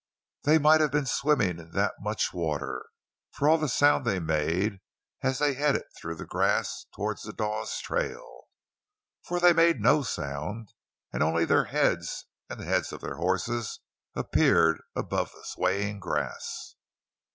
They might have been swimming in that much water, for all the sound they made as they headed through the grass toward the Dawes trail, for they made no sound, and only their heads and the heads of their horses appeared above the swaying grass.